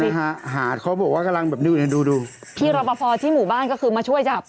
อ่าฮะเขาก็บอกว่ารอร์ปพอที่หมู่บ้านก็ช่วงมาช่วยจับ